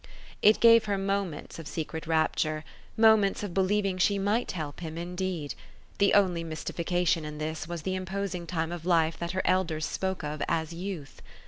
It gave her moments of secret rapture moments of believing she might help him indeed. The only mystification in this was the imposing time of life that her elders spoke of as youth.